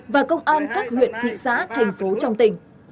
và công an các huyện thị xã thành phố trong tỉnh